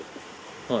はい。